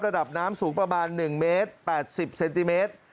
ระดับน้ำสูงประมาณ๑เมตร๘๐เซนติเมตร